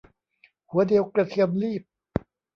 หัวเดียวกระเทียมลีบ